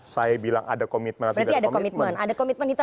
saya bilang ada komitmen atau tidak ada komitmen itu